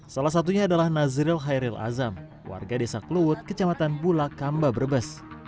salah satunya adalah nazril hairil azam warga desa kluwut kecamatan bula kamba brebes